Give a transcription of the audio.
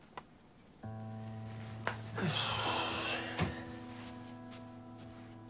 よし。